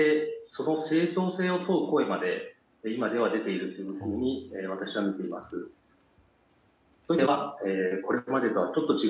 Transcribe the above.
その正当性を問う声まで今では出ているというふうに私はみています。